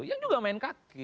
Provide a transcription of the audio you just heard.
yang juga main kaki